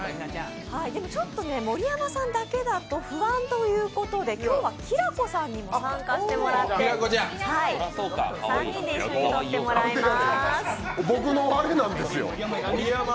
盛山さんだけだと不安だということで、今日は、きらこさんにも参加してもらって３人で一緒に撮ってもらいます。